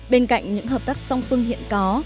bên cạnh những hợp tác song phương hiện có